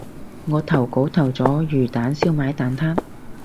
我投稿投咗魚蛋燒賣蛋撻